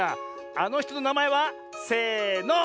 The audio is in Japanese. あのひとのなまえはせの。